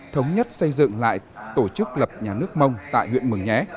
thống nhất xây dựng lại tổ chức lập nhà nước mông tại huyện mường nhé